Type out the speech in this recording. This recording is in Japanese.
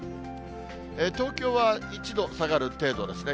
東京は１度下がる程度ですね。